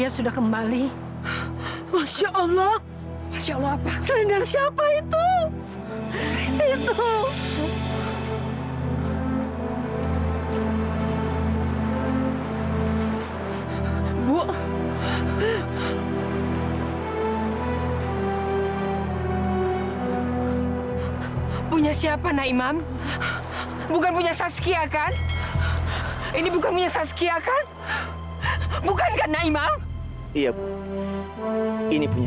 sampai jumpa di video selanjutnya